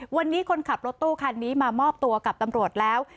วันนี้คนขับรถตู้คันนี้มามอบตัวกับตำรวจแล้ว